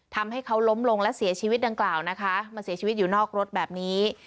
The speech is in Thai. ทำให้เขาล้มลงและเสียชีวิตดังกล่าวนะคะมาเสียชีวิตอยู่นอกรถแบบนี้